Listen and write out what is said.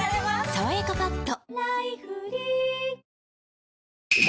「さわやかパッド」